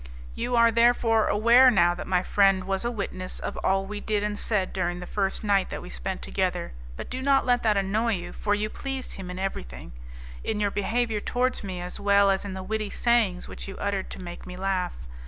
You are therefore aware now that my friend was a witness of all we did and said during the first night that we spent together, but do not let that annoy you, for you pleased him in everything, in your behaviour towards me as well as in the witty sayings which you uttered to make me laugh.